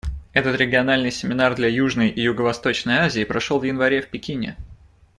Этот региональный семинар для Южной и Юго-Восточной Азии прошел в январе в Пекине.